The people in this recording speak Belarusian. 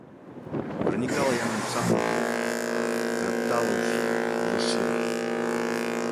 Пранікала яно ў самую глыб, кратала ўсё, варушыла.